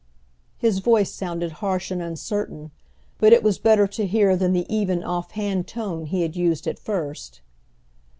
His voice sounded harsh and uncertain, but it was better to hear than the even off hand tone he had used at first.